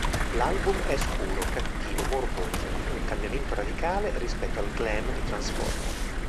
L'album è scuro, cattivo, morboso; un cambiamento radicale rispetto al glam di "Transformer".